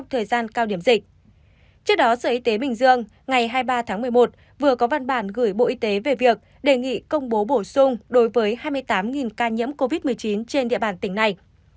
trước đó sở y tế bình dương ngày hai mươi ba tháng một mươi một vừa có văn bản gửi bộ y tế về việc đề nghị công bố bổ sung đối với hai mươi tám ca nhiễm covid một mươi chín trên địa bàn tỉnh này